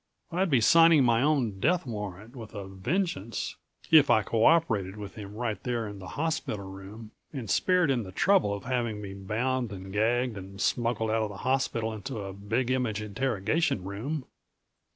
I'd be signing my own death warrant with a vengeance if I co operated with him right there in the hospital room and spared him the trouble of having me bound and gagged and smuggled out of the hospital into a Big Image interrogation room.